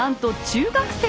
中学生！